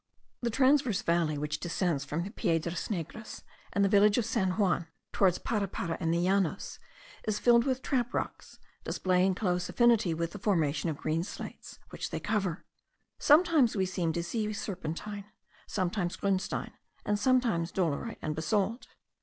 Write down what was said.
The transverse valley which descends from Piedras Negras and the village of San Juan, towards Parapara and the Llanos, is filled with trap rocks, displaying close affinity with the formation of green slates, which they cover. Sometimes we seem to see serpentine, sometimes grunstein, and sometimes dolerite and basalt.